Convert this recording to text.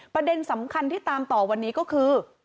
ประเด็นสำคัญที่ตามต่อวันนี้ก็คือ